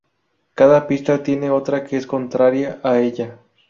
Cada pista tiene otra que es contraria a ella.